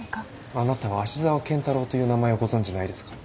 あなたは芦沢健太郎という名前をご存じないですか？